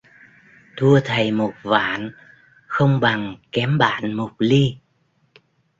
Thua thầy một vạn không bằng kém bạn một li